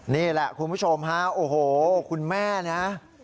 นี่แหละคุณผู้ชมฮะโอ้โหคุณแม่นะ